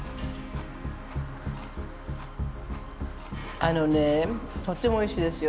あのねとってもおいしいですよ